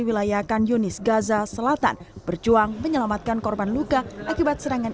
wilayah kan yunis gaza selatan berjuang menyelamatkan korban luka akibat serangan